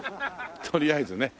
とりあえずね。